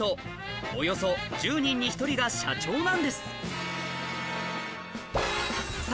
およそ１０人に１人が社長なんです